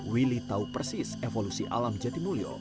willy tahu persis evolusi alam jatimulyo